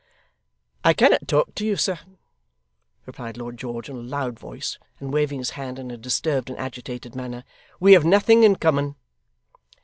'I cannot talk to you, sir,' replied Lord George in a loud voice, and waving his hand in a disturbed and agitated manner; 'we have nothing in common.